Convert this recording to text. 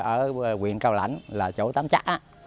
ở quyền cao lãnh là chỗ tám trá